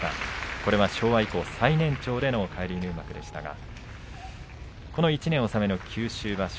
これは昭和以降最年長での返り入幕でしたがこの１年納めの九州場所